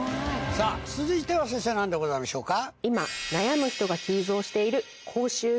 さぁ続いては先生何でございましょうか？